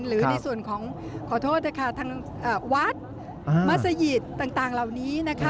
หรือในส่วนของขอโทษนะคะทางวัดมัศยิตต่างเหล่านี้นะคะ